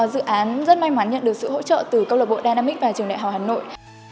dự án rất may mắn nhận được sự hỗ trợ từ công lập bộ dynamic và trường đại hào hà nội